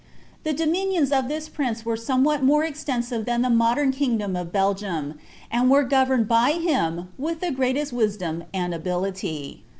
The dominions of this prince were somewhat more esteiunt ihnn the modem kingdom of Belgium, and were governed by him wiik the greatest wisdom and ability.